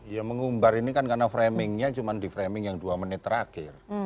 ya mengumbar ini kan karena framingnya cuma di framing yang dua menit terakhir